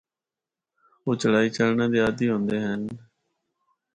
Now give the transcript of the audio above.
او چڑھائی چڑھنا دے عادی ہوندے ہن۔